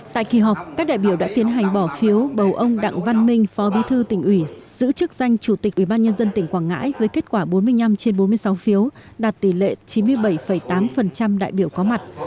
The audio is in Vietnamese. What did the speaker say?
tại kỳ họp các đại biểu đã tiến hành bỏ phiếu bầu ông đặng văn minh phó bí thư tỉnh ủy giữ chức danh chủ tịch ubnd tỉnh quảng ngãi với kết quả bốn mươi năm trên bốn mươi sáu phiếu đạt tỷ lệ chín mươi bảy tám đại biểu có mặt